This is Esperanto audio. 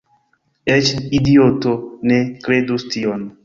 Eĉ idioto ne kredus tion."